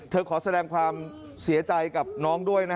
ขอแสดงความเสียใจกับน้องด้วย